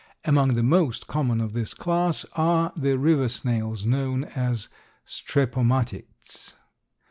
Among the most common of this class are the river snails, known as Strepomatids.